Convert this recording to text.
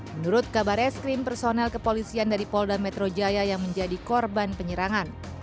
menurut kabar eskrim personel kepolisian dari polda metro jaya yang menjadi korban penyerangan